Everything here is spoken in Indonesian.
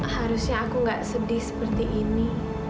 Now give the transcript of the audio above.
harusnya aku nggak sedih seperti ini